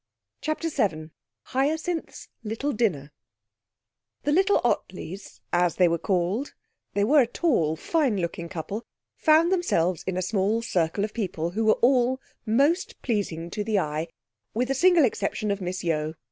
CHAPTER VII Hyacinth's Little Dinner 'The little Ottleys,' as they were called (they were a tall, fine looking couple), found themselves in a small circle of people who were all most pleasing to the eye, with the single exception of Miss Yeo.